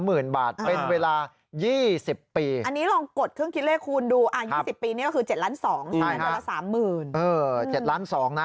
เดือนละ๓๐๐๐๐บาทเออ๗๒๐๐๐๐๐บาทนะแล้วเมื่อกี้ไปบวกกับ๒๐๐๐๐๐๐บาทน่ะนะ